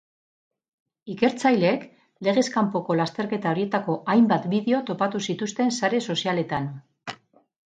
Ikertzaileek legez kanpoko lasterketa horietako hainbat bideo topatu zituzten sare sozialetan.